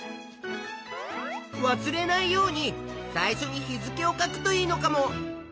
わすれないように最初に日付を書くといいのかも。